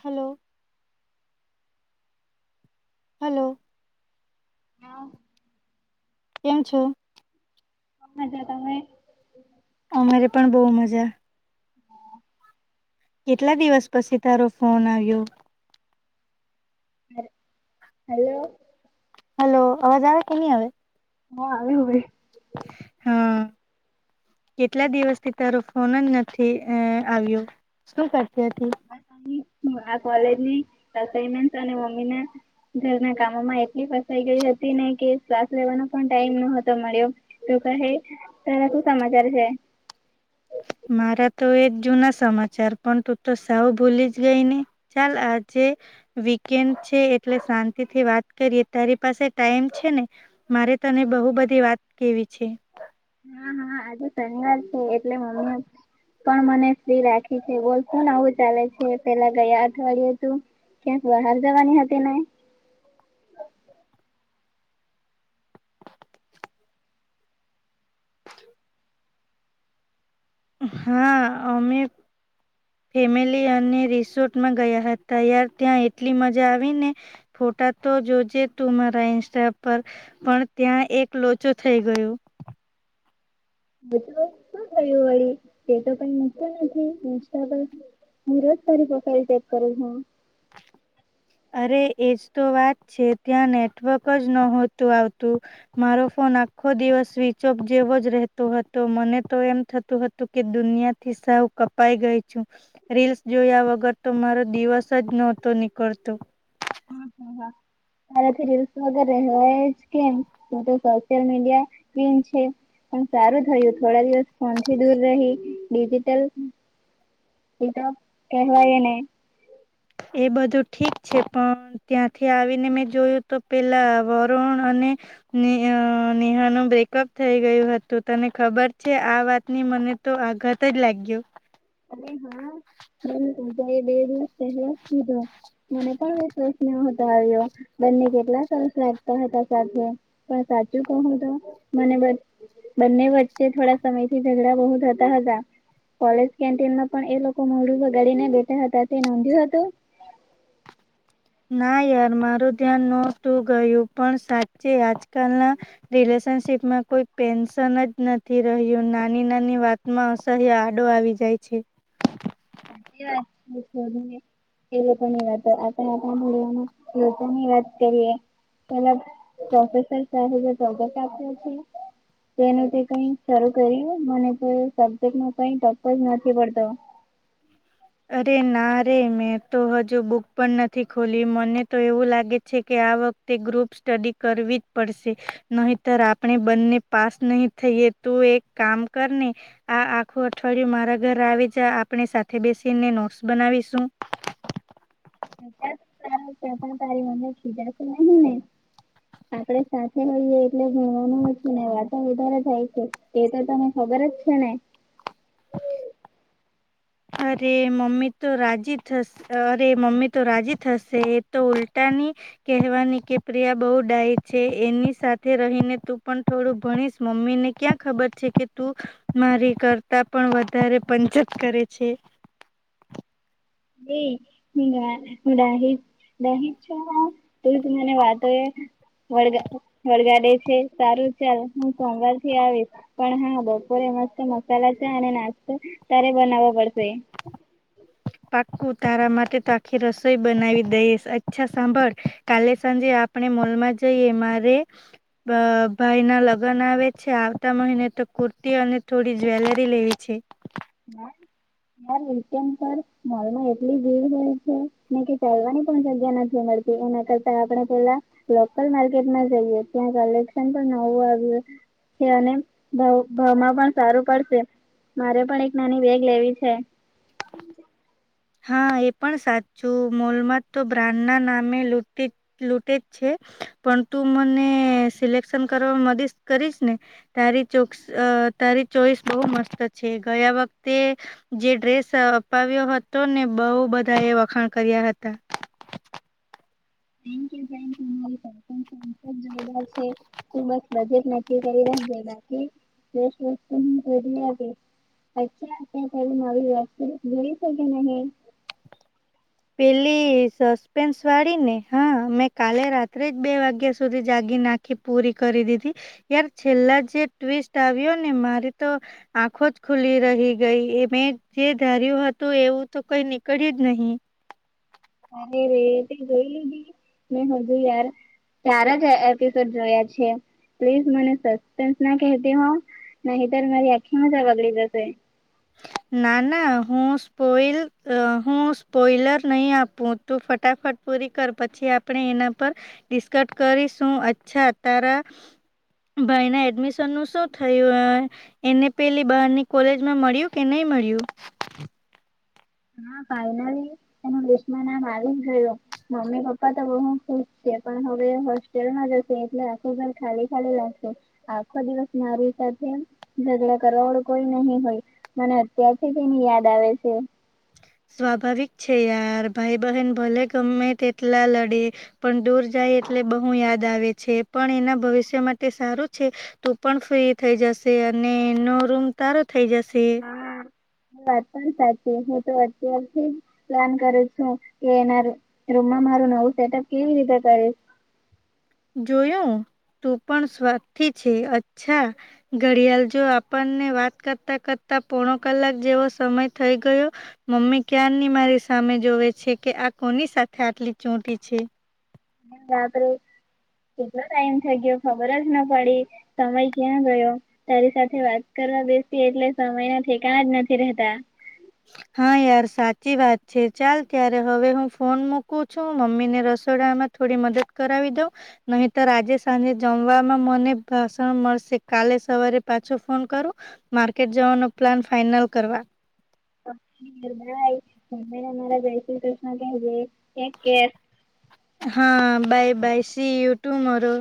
Hello hello હા કેમ છો આ મજા તમે અમારે પણ બહુ મજા કેટલા દિવસ પસી તારો ફોન આવ્યો હ હલોો હલો અવાજ આવે કે ની આવે હ આવે હોવે હા કેટલા દિવસથી તારો ફોન જ નથી અ આવ્યો શું કર આ કોલેજની અસાયમેન્ટ અને મમ્મીને ઘરના કામોમાં એટલી ફસાઈ ગઈ હતી ને કે ક્લાસ લેવાનો પણ ટાઈમ નહોતો મળ્યો કહે તારા શું સમાચાર છે [inaudible] મારા તો એ જૂના સમાચાર પણ તું તો સાવ ભૂલી જ ગઈ ને ચાલ આજે વીકેન્ડ છે એટલે શાંતિ થી વાત કરીએ તારી પાસે ટાઈમ છે ને મારે ત તને બહુ બધી વાત કેવી છે હા હા આજે શનિવાર છે એટલે મમ્મી પણ મને ફ્રી રાખી છે બોલ શું નવું ચાલે છે પેલા ગયા અઠવાડિયે તું ક્યાંક બહાર જવાની હતી ને [inaudible] હા અમે ફેમિલી અને રિસોર્ટમાં ગયા હતા યાર ત્યાં એટલી મજા આવી ને ફોટા તો જોજે તું મારા ઇન્સ્ટા પર પણ ત્યાં એક લોચો થઈ ગયો હ તો શું થયું વળી તે તો કઈ મૂકતું નથી ઇન્સ્ટા પર હું રોજ તારી પ્રોફાઇલ ચેક કરું છું [inaudible] અરે એજ તો વાત છે ત્યાં નેટવર્ક જ ન હોતું આવતું મારો ફોન આખો દિવસ સ્વિચ ઓફ જેવો જ રહેતો હતો મને તો એમ થતું હતું કે દુનિયા થી સાવ કપાઈ ગઈ છું રીલ્સ જોયા વગર તો મારો દિવસ જ નહોતો નીકળતો તો હમ હ હા તારાથી રીલ્સ વગર રહેવાય જ કેમ તું તો સોશિયલ મીડિયા ક્વીન છે પણ સારું થયું થોડા દિવસ ફોનથી દૂર રહી ડિજિટલ એ તો કેહવાય એને એ બધું ઠીક છે પણ ત્યાંથી આવીને મેં જોયું તો પેલા વરુણ અને ને અ નેહા નું બ્રેકઅપ થઈ ગયું હતું તને ખબર છે આ વાતની મ ને તો આઘાત જ લાગ્યો અને હા મન પૂજા એ બે દિવસ પહેલા જ કીધું હતું મને પણ વિશ્વાસ નહતો આવ્યો બંને કેટલા સરસ લાગતા હતા સાથે પણ સાચું કહું તો મને બ બંને વચ્ચે થોડા સમય થી ઝગડા બહુ થતા હતા કોલેજ કેન્ટીનમાં પણ એ લોકો મોડું બગાડીને બેઠા હતા તે નોંધ્યું હતું. ના યાર મારું ધ્યાન નતું ગયું પણ સાચે આજકાલ ના રિલેશન. શીપમાં કોઈ પેન્શન જ નથી રહ્યું નાની નાની વાતમાં અસહ્ય આડો આવી જાય. છે. [unintelligible] એવ પણ વાત આપણે [unintelligible] વાત કરીએ. પેલા પ્રોફેસર સાહેબ [unintelligible] આપ્યો છે. તેનું તે કઈ શરૂ કર્યું મને સબ્જેક્ટ ન કઈ ટપ જ નથી પડતો? અરે ના રે મેં તો હજુ બુક પણ નથી ખોલી મને તો એવું લાગે છે, કે આ વખતે ગ્રુપ સ્ટડી કરવી જ પડશે નહીંતર આપણે બંને પાસ નહીં થઈએ. તું એક કામ કર ને આ આખું અઠવાડિયું મારા ઘર આવી જ આપણી સાથે બેસી. [unintelligible] નોટસ બનાવીશું. [unintelligible] તારી [unintelligible] મને ખી જશે નહી ને. આપડે સાથે હોઈએ એટલે ઘુમવાનું હોય છે, ને વાતા વધારે જાય છે, એ તો તને ખબર. [unintelligible] અરે મમ્મી તો રાજી થશે અરે મમ્મી તો રાજી થશે એ તો ઉલ્ટા. [unintelligible] કે પ્રિયા બહુ [unintelligible] છે, એની સાથે રહીને તું પણ થોડું ભણી. મમ્મી ને ક્યાં ખબર છે, કે તું મારી કરતા પણ વધારે [unintelligible] છે એ હું હું ડહી ડહી છું, [unintelligible] મને [unintelligible] [unintelligible] વડગાડે છે, સારું ચાલ હું સોમવાર થી આવીશ પણ હા બપોરે. મસ્ત મસાલા છે, અને નાસ્તો તારે બનાવો પડશે એ. પાક્કું તારા માટે તો આખી રસોઈ બનાવી દઈશ અચ્છા સાંભળ કાલે સાંજે. આપણે મોલમાં જઈએ મારે ભાઈ ના લગ્ન આવે છે, આવતા મહિને. કુર્તી અને થોડી જ્વેલરી લેવી છે. હમ [unintelligible] મોલમાં એટલી ભીડ હોય છે, ને કે ચાલવાની પણ જગ્યા નથી અમારી. એના કરતા આપણે પેલા લોકલ માર્કેટમાં જઈએ ત્યાં કલેક્શન પણ નવું આવ્યું. છે, અને ભ ભાવમાં પણ સારું પડશે મારે પણ એક. નાની બેગ લેવી છે. હા એ પણ સાચું મોલમાં તો બ્રાન્ડ ના નામે લૂટે લૂટેજ છે. પણ તું મને સિલેક્શન કરવા [unintelligible] કરીશ ને તારી [unintelligible] તારી ચોઈસ બહુ મસ્ત છે, ગયા વખતે જે ડ્રેસ અપાવ્યો હતો. તો ને બહુ બધા એ વખાણ કર્યા હતા. [inaudible] જો છે, [inaudible] બસ વસ્તુ [unintelligible] આવે. અચ્છા [unintelligible] પેલી સસ્પેન્સ વાળી ને હા મેં કાલે રાત્રે જ બે વાગ્યા સુધી જાગીને. ખી પૂરી કરી દીધી યાર છેલ્લા જે [unintelligible] આવ્યો ને મારી તો આખો. આખોજ ખુલ્લી રહી ગઈ એ મેં જે ધાર્યું હતું એવું તો કઈ નીકળ્યું જ [unintelligible] અરે રે તે જોઈ લીધી મેં હજુ યાર. ચાર જ એપિસોડ જોયા છે. પ્લીઝ મને સસ્પેન્સ ના [unintelligible] હો નધર મારી આખી મજા બગડી જશે. ના ના હું સ્પોલ હું સ્પોઇલર નહી આપું તું ફટ. ફટાફટ પૂરી કર પછી આપણે એના પર ડિસ્કટ કરીશું અચ્છા તારા. ભાઈ ના એડમિશન નું શું થયું એને પેલી બહારની કોલેજમાં મળ્યું. કે નય મળ્યું હા ફાઈનરી એનું લિસ્ટમાં નામ આવી ગયું મમ્મી પપ્પા તો બહુ ખુશ છે પણ હવે હોસ્ટેલમાં જશે એટલે આખો ઘર ખાલી ખાલી લાગશે આખો દિવસ મા સાથે ઝઘડ કરોડ કોઈ નહી હોય મને અત્યારથી એની યાદ આવે છે સ્વાભાવિક છે યાર ભાઈ બહેન ભલે ગમે તેટલા લડે પણ દૂર જાય. એટલે બહુ યાદ આવે છે પણ એના ભવિષ્ય માટે સારું છે તો પણ ફ્રી થઈ જશે. અને નો રૂમ તારો થઇ જશે. હા. વાત પણ સાચી હું તો અત્યારથી પ્લાન કરું છું કે એના રૂમમાં મારું નવું સેટઅપ કેવી રીતે કરીશ. જોયું. તું પણ સ્વાથી છે અચ્છા ઘડિયાળ જો આપણને વાત કરતા કરતા. પોણો કલાક જેવો સમય થઈ ગયો મમ્મી ક્યાાર નની મારી સામે જોવે છે કે. કોની શાખા આટલી ચોટી છે. એ રાબે. કેટલો ટાઈમ થ ગયો ખબર જ ના પડી સમય ક્યાં ગયો તારી સાથે વાત કરી. બેસી એટલે છ મહિના થી ક જ નથી રહેતા. હ. હા યાર સાચી વાત છે ચાલ ત્યારે હવે હું ફોન મૂકું છું મમ્મી ને રસોડામાં. થોડી મદદ કરાવી દઉ નહી તો આજે સાંજે જમવામાં મને ભાષણ મળશે કાલે સવારે પાછો ફોન કર માર્કેટ જવાનો પ્લાન ફાઈનલ કરવા. અી ભાઈ એ અમારા જય શ્રી કૃષ્ણ કેહેજે. એક. હા બાય બાય સી યુટ્યુમરો.